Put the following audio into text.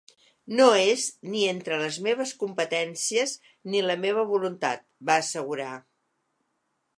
“No és ni entre les meves competències ni la meva voluntat”, va assegurar.